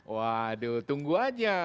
waduh tunggu aja